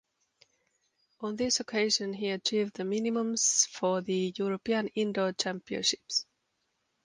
On this occasion he achieved the minimums for the European indoor championships.